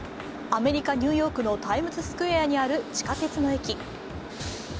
アメリカ・ニューヨークのタイムズスクエアにある地下鉄の駅。